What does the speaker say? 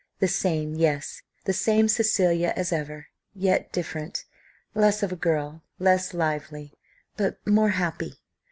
The same, yes, the same Cecilia as ever; yet different: less of a girl, less lively, but more happy.